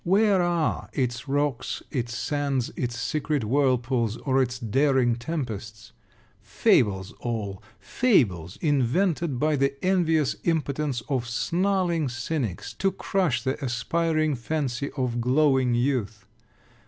Where are its rocks, its sands, its secret whirlpools, or its daring tempests? Fables all! Fables invented by the envious impotence of snarling Cynics, to crush the aspiring fancy of glowing youth!